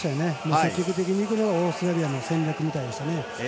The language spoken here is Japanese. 積極的にいくのがオーストラリアの戦略みたいです。